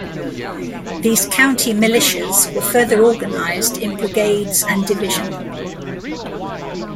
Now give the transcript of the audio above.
These county militias were further organized in brigades and division.